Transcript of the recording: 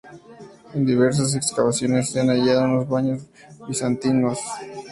En diversas excavaciones se han hallado unos baños bizantinos y cerámica del mismo periodo.